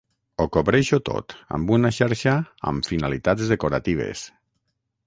Ho cobreixo tot amb una xarxa amb finalitats decoratives.